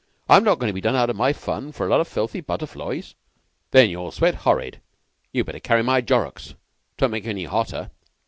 "I'm not goin' to be done out of my fun for a lot of filthy butterflies." "Then you'll sweat horrid. You'd better carry my Jorrocks. 'Twon't make you any hotter."